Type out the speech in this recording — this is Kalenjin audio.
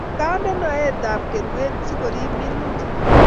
kandenoetap kerwet sikorip minutik